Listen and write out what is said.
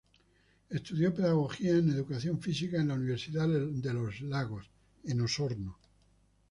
Estudió pedagogía en educación física en la Universidad de Los Lagos, en Osorno.